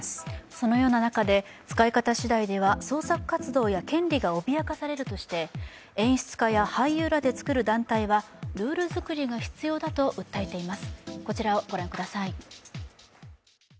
そのような中で、使い方次第では創作活動や権利が脅かされるとして、演出家や俳優らで作る団体は、ルール作りが必要だと訴えています。